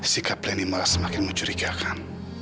sikap leni malah semakin mencurigakan